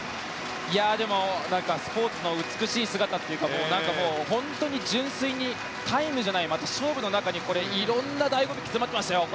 でもスポーツの美しい姿というか本当に純粋にタイムじゃない勝負の中にいろんな醍醐味が詰まってましたよ。